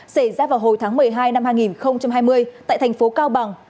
xảy ra vào hồi tháng một mươi hai năm hai nghìn hai mươi tại thành phố cao bằng